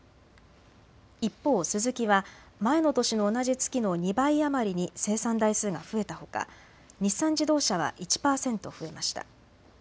一方、スズキは前の年の同じ月の２倍余りに生産台数が増えたほか日産自動車は１％増えました。